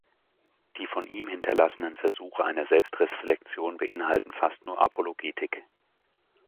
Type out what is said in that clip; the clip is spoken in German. Die von ihm hinterlassenen Versuche einer Selbstreflexion beinhalten fast nur Apologetik.